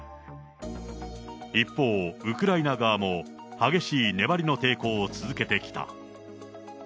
一方、ウクライナ側も激しい粘りの抵抗を続けてきた。